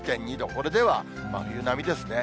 これでは真冬並みですね。